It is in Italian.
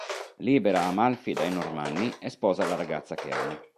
Libera Amalfi dai normanni e sposa la ragazza che ama.